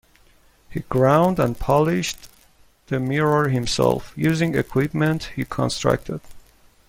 He ground and polished the mirror himself, using equipment he constructed.